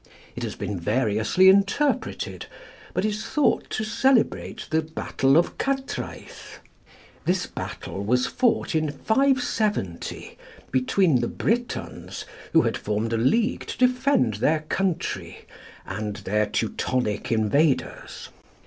It has been variously interpreted, but is thought to celebrate the battle of Cattræth. This battle was fought in 570 between the Britons, who had formed a league to defend their country, and their Teutonic invaders.